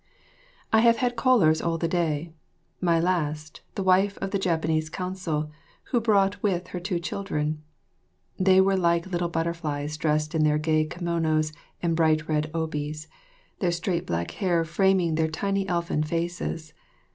I have had callers all the day; my last, the wife of the Japanese Consul, who brought with her two children. They were like little butterflies, dressed in their gay kimonas and bright red obis, their straight black hair framing their tiny elfin faces.